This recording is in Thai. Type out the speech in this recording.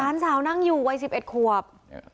หลานสาวนั่งอยู่วัย๑๑ควบ